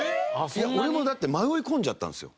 俺もだって迷い込んじゃったんですよ